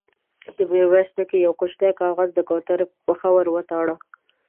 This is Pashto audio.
ميرويس نيکه يو کوچينۍ کاغذ د کوترې پر پښه ور وتاړه.